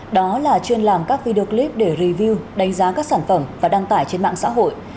đó là chuyên làm các video clip để review đánh giá các sản phẩm và đăng tải trên mạng xã hội